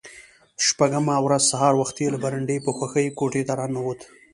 شپږمه ورځ سهار وختي له برنډې په خوښۍ کوټې ته را ننوت.